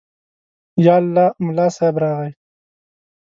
_يالله، ملا صيب راغی.